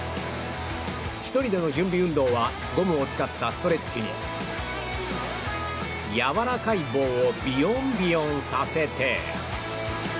１人での準備運動はゴムを使ったストレッチにやわらかい棒をビヨンビヨンさせて。